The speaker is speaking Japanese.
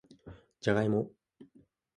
じゃがいも